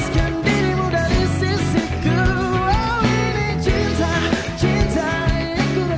jangan lupa jangan lupa